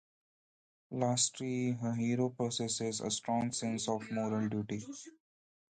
Lastly, a hero possesses a strong sense of moral duty.